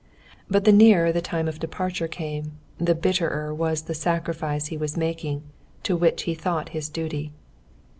But the nearer the time of departure came, the bitterer was the sacrifice he was making to what he thought his duty.